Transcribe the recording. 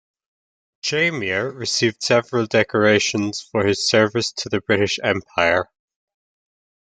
Chamier received several decorations for his service to the British Empire.